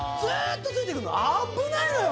危ないのよ。